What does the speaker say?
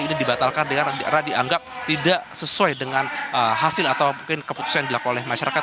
ini dibatalkan dengan dianggap tidak sesuai dengan hasil atau mungkin keputusan yang dilakukan oleh masyarakat